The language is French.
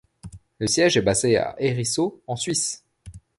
Le siège est basé à Herisau en Suisse.